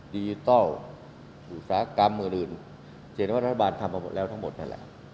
ดิจิทัลอุตสาหกรรมอื่นจะเห็นว่ารัฐบาลทำมาหมดแล้วทั้งหมดนั่นแหละ